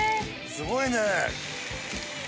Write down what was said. すごいね。